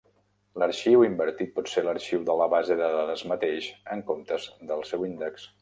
L'arxiu invertit pot ser l'arxiu de la base de dades mateix, en comptes del seu índex.